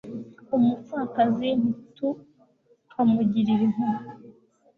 umupfakazi ntitukamugirire impuhwe